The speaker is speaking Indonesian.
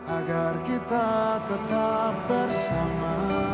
agar kita tetap bersama